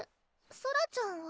ソラちゃんは？